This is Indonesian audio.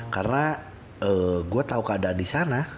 karena gue tau keadaan di sana